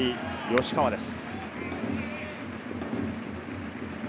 吉川です。